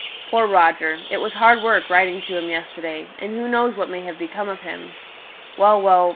Poor Roger! It was hard work writing to him yesterday; and who knows what may have become of him! Well, well!